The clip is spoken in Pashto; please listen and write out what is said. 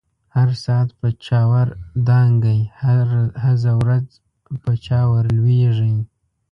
هر ساعت په چاور دانګی، هزه ورځ په چا ور لويږی